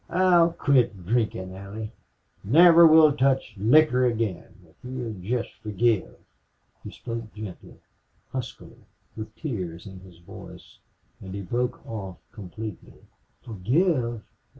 I'll quit drinkin', Allie.... Never will touch liquor again now if you'll jest forgive." He spoke gently, huskily, with tears in his voice, and he broke off completely. "Forgive!